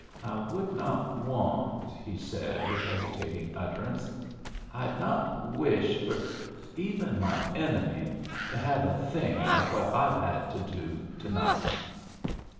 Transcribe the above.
"I would not want," he said, with hesitating utterance "I'd not wish for even my enemy to have a thing like what I've had to do to night."